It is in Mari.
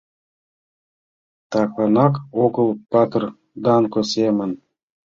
Такланак огыл патыр Данко семын